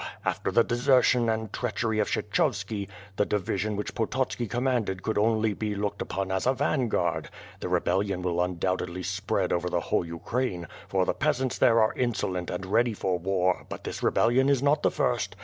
After the desertion and treachery of Kshechovski, the division which Pototski commanded could only be looked ujwn as a vanguard. The rebellion will un doubtedly spread over the whole Ukraine, for the peasants there are insolent and ready for war but this rebellion is not the first.